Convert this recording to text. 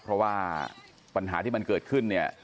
เพราะว่าปัญหาที่มันเกิดขึ้นเนี่ย